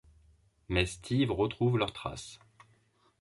Mais Steve retrouve leur trace.